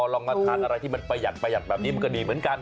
ลองมาทานอะไรที่มันประหยัดประหยัดแบบนี้มันก็ดีเหมือนกัน